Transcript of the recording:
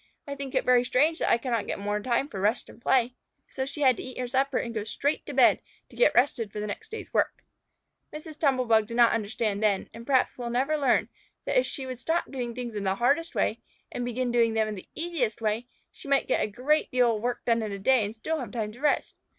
I think it very strange that I cannot get more time for rest and play." So she had to eat her supper and go straight to bed to get rested for the next day's work. Mrs. Tumble bug did not understand then, and perhaps never will learn, that if she would stop doing things in the hardest way and begin doing them in the easiest way, she might get a great deal of work done in a day and still have time to rest.